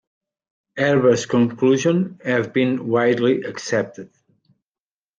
Herbert's conclusions have been widely accepted.